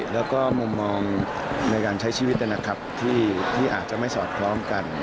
และมุมมองในการใช้ชีวิตแต่นักครับที่อาจจะไม่สอดพร้อมกัน